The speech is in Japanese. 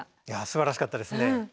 いやすばらしかったですね。